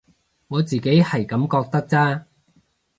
我自己係噉覺得咋